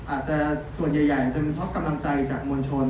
อาจจะส่วนใหญ่จะมีเพราะกำลังใจจากมวลชน